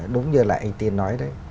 đúng như là anh tiên nói đấy